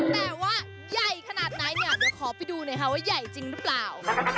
แต่ว่าใหญ่ขนาดไหนเนี่ยเดี๋ยวขอไปดูหน่อยค่ะว่าใหญ่จริงหรือเปล่า